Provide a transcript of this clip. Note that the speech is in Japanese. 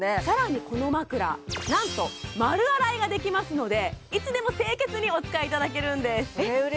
更にこの枕なんと丸洗いができますのでいつでも清潔にお使いいただけるんですえっ